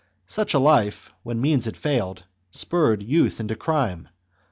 Such a life, when means had failed, spurred youth into crime.